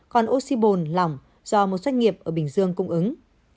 còn oxy bồn lỏng do một doanh nghiệp ở bình dương cung ứng